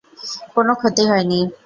কোনো ক্ষতি হয়নি।